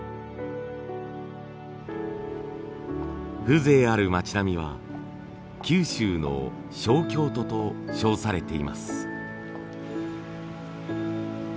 風情ある町並みは九州の小京都と称されています。